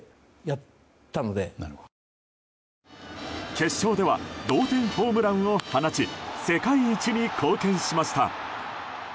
決勝では同点ホームランを放ち世界一に貢献しました。